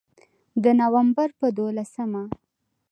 د نومبر په دولسمه